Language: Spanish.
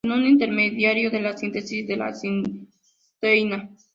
Es un intermediario de la síntesis de la cisteína.